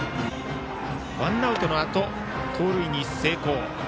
ワンアウトのあと盗塁に成功。